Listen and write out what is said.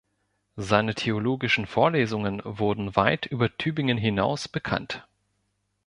Seine theologischen Vorlesungen wurden weit über Tübingen hinaus bekannt.